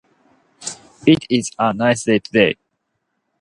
It is a nice day today.